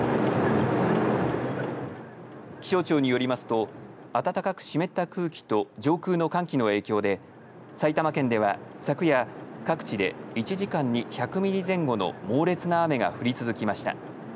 気象庁によりますと暖かく湿った空気と上空の寒気の影響で埼玉県では、昨夜各地で１時間に１００ミリ前後の猛烈な雨が降り続きました。